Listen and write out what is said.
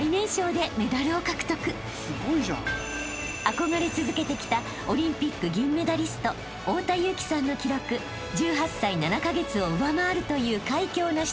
［憧れ続けてきたオリンピック銀メダリスト太田雄貴さんの記録１８歳７カ月を上回るという快挙を成し遂げました］